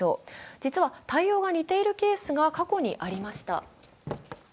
実は対応が似ているケースが過去にありました。